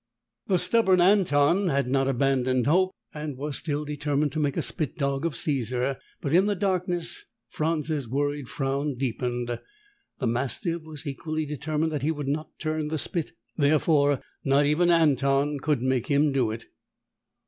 The stubborn Anton had not abandoned hope and was still determined to make a spit dog of Caesar, but, in the darkness, Franz's worried frown deepened. The mastiff was equally determined that he would not turn the spit, therefore, not even Anton could make him do it.